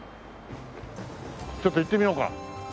ちょっと行ってみようか。